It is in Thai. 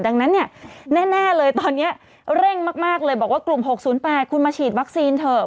ดังนั้นเนี่ยแน่เลยตอนนี้เร่งมากเลยบอกว่ากลุ่ม๖๐๘คุณมาฉีดวัคซีนเถอะ